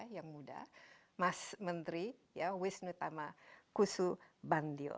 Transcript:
yang muda mas menteri wisnu tama kusu bandio